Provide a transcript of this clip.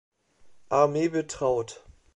Armee betraut.